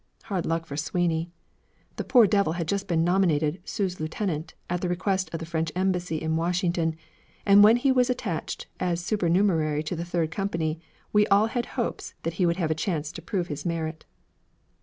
Hard luck for Sweeny! The poor devil had just been nominated sous lieutenant at the request of the French Embassy in Washington; and when he was attached as supernumerary to the third company we all had hopes that he would have a chance to prove his merit.